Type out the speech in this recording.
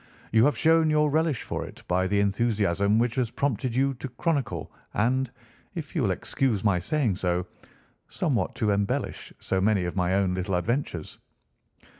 You have shown your relish for it by the enthusiasm which has prompted you to chronicle, and, if you will excuse my saying so, somewhat to embellish so many of my own little adventures."